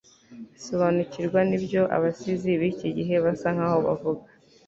sobanukirwa nibyo abasizi b'iki gihe basa nkaho bavuga